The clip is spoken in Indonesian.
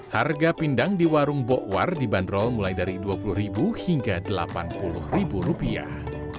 harga pindang di warung bokwar dibanderol mulai dari dua puluh ribu hingga delapan puluh rupiah